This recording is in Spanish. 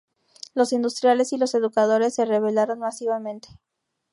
Los industriales y los educadores se rebelaron masivamente.